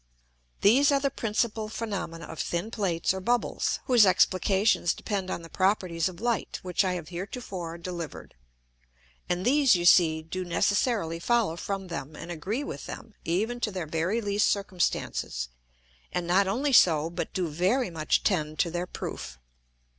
These are the principal Phænomena of thin Plates or Bubbles, whose Explications depend on the properties of Light, which I have heretofore deliver'd. And these you see do necessarily follow from them, and agree with them, even to their very least circumstances; and not only so, but do very much tend to their proof.